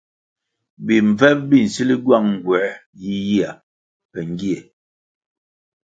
Bimbvep bi nsil gywang nğuer yiyia be ngie.